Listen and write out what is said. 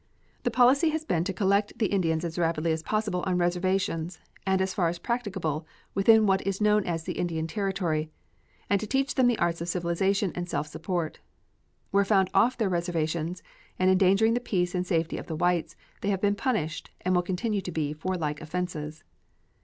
The policy has been to collect the Indians as rapidly as possible on reservations, and as far as practicable within what is known as the Indian Territory, and to teach them the arts of civilization and self support. Where found off their reservations, and endangering the peace and safety of the whites, they have been punished, and will continue to be for like offenses.